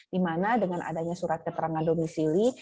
dimana dengan adanya surat keterangan domisili